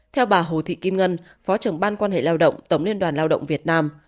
theo bà hồ thị kim ngân phó trưởng ban quan hệ lao động tổng liên đoàn lao động việt nam